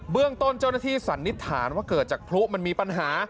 เรื่องต้นเจ้าหน้าที่สันนิษฐานว่าเกิดจากพลุมันมีปัญหา